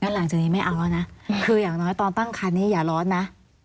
หลังจากนี้ไม่เอาแล้วนะคืออย่างน้อยตอนตั้งคันนี้อย่าร้อนนะ